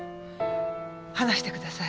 話してください。